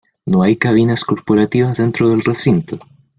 No hay cabinas corporativas dentro del recinto.